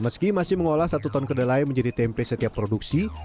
meski masih mengolah satu ton kedelai menjadi tempe setiap produksi